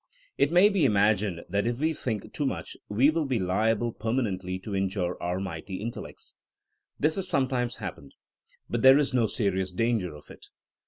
It may be imagined that if we think too much we will be liable permanently to injure our mighty intellects. This has sometimes hap pened. But there is no serious danger of it.